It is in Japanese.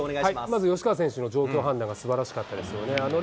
まず吉川選手の状況判断がすばらしかったですよね。